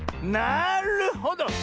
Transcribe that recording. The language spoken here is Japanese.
なるほど！